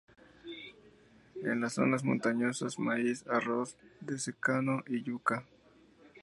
En las zonas montañosas maíz, arroz de secano y yuca.